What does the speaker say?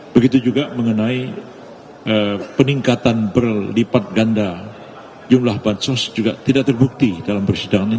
begitu juga mengenai peningkatan berlipat ganda jumlah bansos juga tidak terbukti dalam persidangan ini